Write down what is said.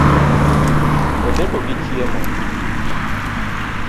Odeko gi chiemo